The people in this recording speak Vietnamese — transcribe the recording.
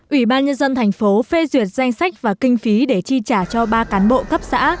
ủy ban nhân dân thành phố phê duyệt danh sách và kinh phí để chi trả cho ba cán bộ cấp xã